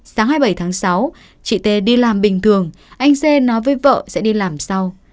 sáng hai mươi bảy tháng sáu chị tê đi làm bình thường anh xê nói với vợ sẽ đi làm sau